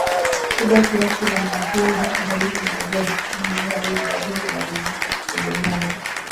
kubwa kiasi la Mawaziri japo halina idadi ya kudumu yaani idadi hubadilikabadilika kutegemea na